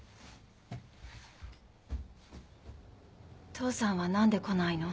父さんは何で来ないの？